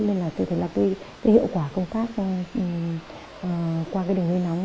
nên là tôi thấy là cái hiệu quả công tác qua cái đường hơi nóng